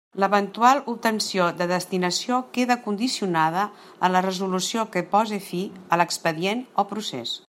L'eventual obtenció de destinació queda condicionada a la resolució que pose fi a l'expedient o procés.